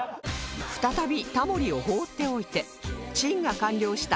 再びタモリを放っておいてチンが完了した